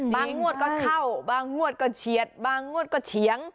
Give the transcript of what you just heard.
งวดก็เข้าบางงวดก็เฉียดบางงวดก็เฉียง